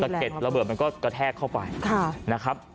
เก็ดระเบิดมันก็กระแทกเข้าไปนะครับ